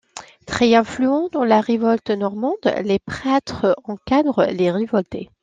Très influents dans la révolte normande, les prêtres encadrent les révoltés.